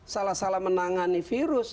salah salah menangani virus